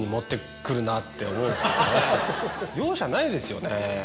容赦ないですよね。